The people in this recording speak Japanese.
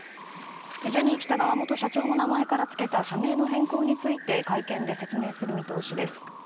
ジャニー喜多川元社長の名前から付けた社名の変更について会見で説明する見通しです。